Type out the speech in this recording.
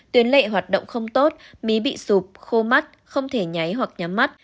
tuyến lệ hoạt động không tốt bí bị sụp khô mắt không thể nháy hoặc nhắm mắt